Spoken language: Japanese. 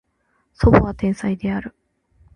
叔母は天才である